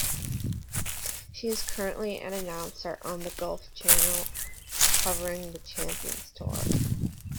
She is currently an announcer on the Golf Channel, covering the Champions Tour.